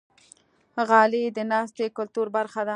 غالۍ د ناستې کلتور برخه ده.